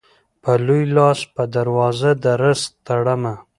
په لوی لاس به دروازه د رزق تړمه